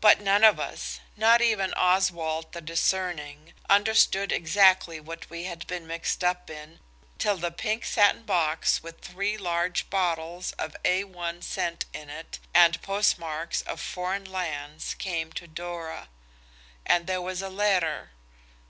But none of us–not even Oswald the discerning–understood exactly what we had been mixed up in, till the pink satin box with three large bottles of A1 scent in it, and postmarks of foreign lands, came to Dora. And there was a letter.